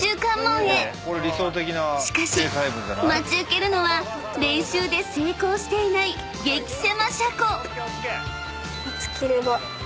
［しかし待ち受けるのは練習で成功していないゲキ狭車庫］